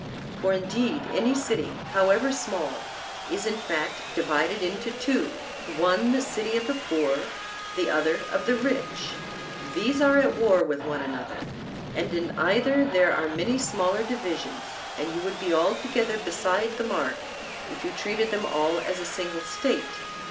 For indeed any city, however small, is in fact divided into two, one the city of the poor, the other of the rich; these are at war with one another; and in either there are many smaller divisions, and you would be altogether beside the mark if you treated them all as a single State.